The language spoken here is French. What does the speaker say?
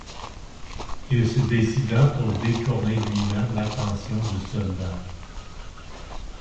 Il se décida pour détourner lui-même l'attention du soldat.